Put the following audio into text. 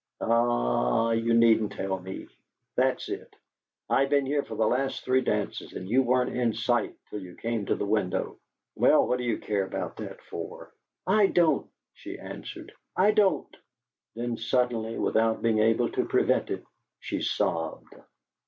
Ah! You needn't tell me. That's it. I've been here for the last three dances and you weren't in sight till you came to the window. Well, what do you care about that for?" "I don't!" she answered. "I don't!" Then suddenly, without being able to prevent it, she sobbed.